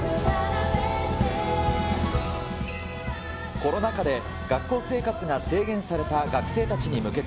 コロナ禍で学校生活が制限された学生たちに向けて、